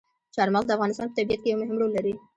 چار مغز د افغانستان په طبیعت کې یو مهم رول لري.